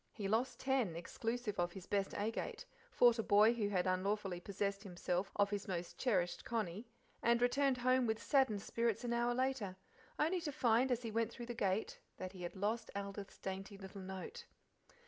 He lost ten, exclusive of his best agate, fought a boy who had unlawfully possessed himself of his most cherished "conny," and returned home with saddened spirits an hour later, only to find as he went through the gate that he had lost Aldith's dainty little note.